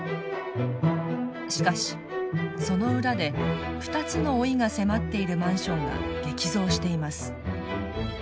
しかしその裏で２つの“老い”が迫っているマンションが激増しています。